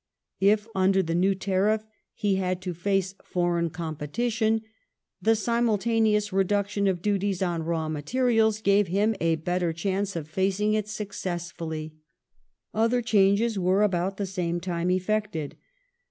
If under the new tariff he had to face foreign competition, the simultaneous reduction of duties on raw material orave him a better chance of facing it successfully. Other changes were, about the same time, effected.